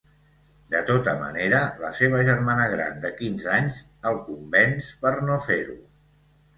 De tota manera, la seva germana gran, de quinze anys, el convenç per no fer-ho.